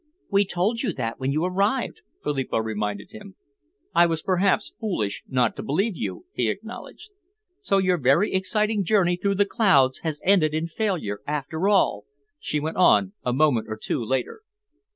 "We told you that when you arrived," Philippa reminded him. "I was perhaps foolish not to believe you," he acknowledged. "So your very exciting journey through the clouds has ended in failure, after all!" she went on, a moment or two later.